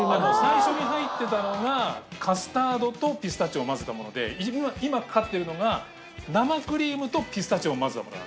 最初に入ってたのがカスタードとピスタチオを混ぜたもので今かかってるのが生クリームとピスタチオを混ぜたものなんですね？